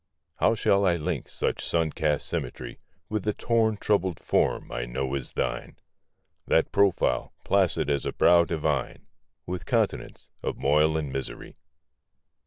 How shall I link such sun cast symmetry With the torn troubled form I know as thine, That profile, placid as a brow divine, With continents of moil and misery?